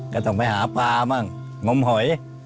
ก็ต้องไปหาปลาบ้างงมหอย